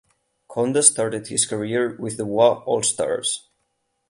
Konda started his career with the Wa All Stars.